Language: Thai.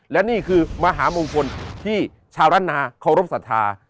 และนี่คือมหามงคลที่ชาวดรรณาขอบรับศรัทธา